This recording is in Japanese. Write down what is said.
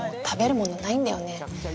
食べるものないんだよね？